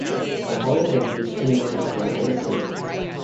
The hull had improved streamlining for a higher cruising speed.